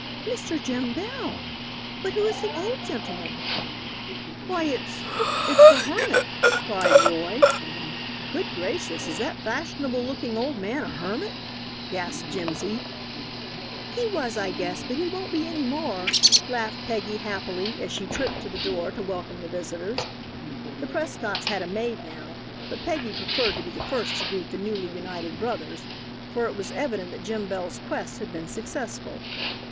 "Mr. Jim Bell. But who is the old gentleman?" "Why it's it's the hermit!" cried Roy. "Good gracious, is that fashionable looking old man a hermit?" gasped Jimsy. "He was, I guess, but he won't be any more," laughed Peggy, happily, as she tripped to the door to welcome the visitors. The Prescotts had a maid now; but Peggy preferred to be the first to greet the newly united brothers for it was evident that Jim Bell's quest had been successful.